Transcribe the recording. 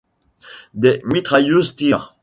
Des mitrailleuses tirent.